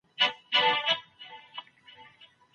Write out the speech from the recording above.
انسانی روح هیڅکله له خپل حاله نه راضي کیږي.